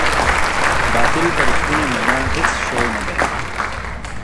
باطل په رښتیني مانا هیڅ شی نه دی.